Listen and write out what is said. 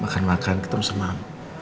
makan makan gitu sama mama